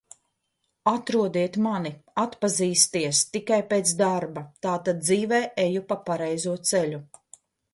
Atrodiet mani, atpazīsties tikai pēc darba. Tātad dzīvē eju pa pareizo ceļu.